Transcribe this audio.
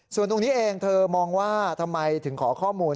ส่วนตรงนี้เองเธอมองว่าทำไมถึงขอข้อมูล